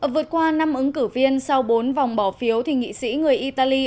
vượt qua năm ứng cử viên sau bốn vòng bỏ phiếu thì nghị sĩ người italy